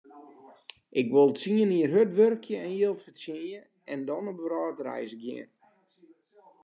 Ik wol tsien jier hurd wurkje en jild fertsjinje en dan op wrâldreis gean.